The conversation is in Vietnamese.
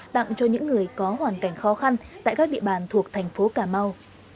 tặng cho những người có hoàn cảnh khó khăn tại các địa bàn thuộc thành phố cà mau